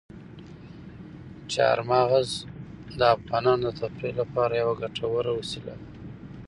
چار مغز د افغانانو د تفریح لپاره یوه ګټوره وسیله ده.